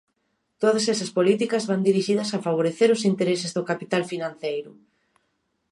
Todas esas políticas van dirixidas a favorecer os intereses do capital financeiro.